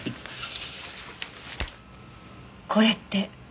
これって。